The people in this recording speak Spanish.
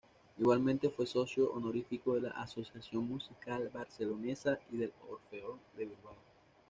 Igualmente fue socio honorífico de la "Asociación Musical Barcelonesa" y del "'Orfeón de Bilbao".